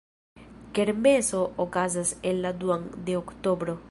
Kermeso okazas en la duan de oktobro.